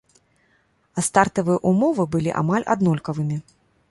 А стартавыя ўмовы былі амаль аднолькавымі.